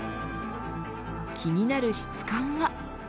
気になる質感は。